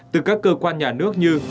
từ các cơ quan nhà nước như